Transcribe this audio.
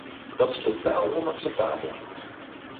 Dat is totaal onacceptabel.